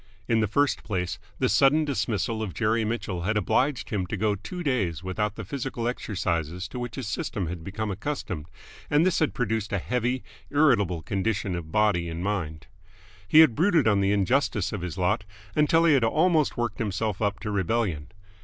In the first place, the sudden dismissal of Jerry Mitchell had obliged him to go two days without the physical exercises to which his system had become accustomed, and this had produced a heavy, irritable condition of body and mind. He had brooded on the injustice of his lot until he had almost worked himself up to rebellion.